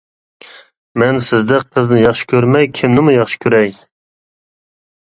مەن سىزدەك قىزنى ياخشى كۆرمەي كىمنىمۇ ياخشى كۆرەي!